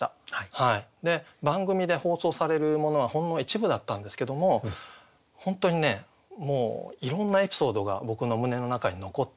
番組で放送されるものはほんの一部だったんですけども本当にねもういろんなエピソードが僕の胸の中に残っていて。